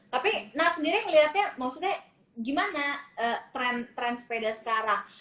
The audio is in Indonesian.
tapi nah sendiri ngeliatnya maksudnya gimana tren sepeda sekarang